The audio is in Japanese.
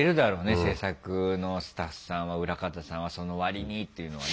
制作のスタッフさんは裏方さんは「その割に」っていうのはね。